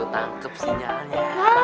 tuh tangkep sinyalnya